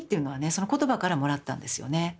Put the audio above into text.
その言葉からもらったんですよね。